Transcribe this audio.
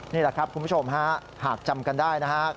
นี่แหละครับคุณผู้ชมฮะหากจำกันได้นะครับ